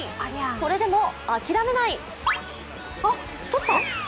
それでも諦めない。